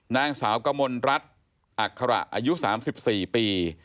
นางสาวกมลรัฐอัคระอายุ๓๔ปี